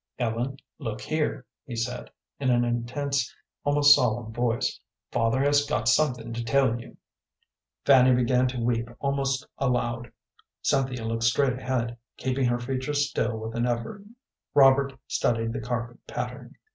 "Ellen, look here," he said, in an intense, almost solemn voice, "father has got something to tell you." Fanny began to weep almost aloud. Cynthia looked straight ahead, keeping her features still with an effort. Robert studied the carpet pattern.